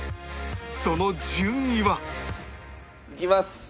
その順位は？いきます。